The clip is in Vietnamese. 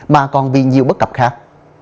mà còn vì nhiều bất cập khác